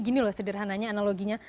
gini loh sederhananya analoginya